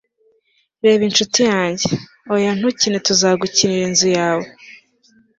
reba inshuti yanjye, oya ntukine tuza gukinira inzu yawe